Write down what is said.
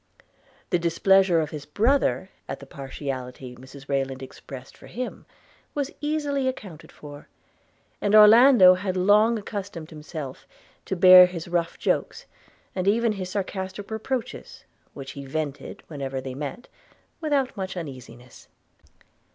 The displeasure of his brother at the partiality Mrs Rayland expressed for him was easily accounted for; and Orlando had long accustomed himself to bear his rough jokes, and even his sarcastic reproaches, which he vented whenever they met, without much uneasiness.